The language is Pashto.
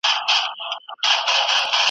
له عالمه له کتابه یې نفرت سي .